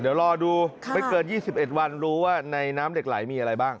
เดี๋ยวรอดูไม่เกิน๒๑วันรู้ว่าในน้ำเหล็กไหลมีอะไรบ้าง